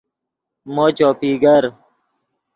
مو چوپی گر